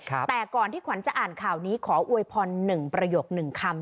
แต่ก่อนที่ขวัญจะอ่านข่าวนี้ขออวยพร๑ประโยค๑คำ